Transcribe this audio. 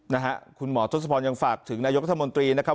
นะฮะคุณหมอทศพรยังฝากถึงนายกรัฐมนตรีนะครับ